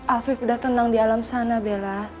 afif udah tenang di alam sana bella